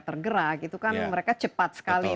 tergerak itu kan mereka cepat sekali